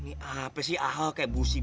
ini apa sih ahok kayak busi